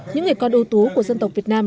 những người con ưu tú của dân tộc việt nam